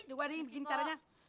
gue ada yang bikin caranya